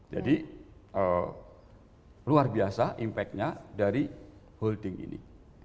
jadi luar biasa impactnya dari holding ini